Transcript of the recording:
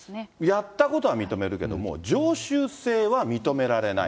やったことは認めるけれども、常習性は認められない。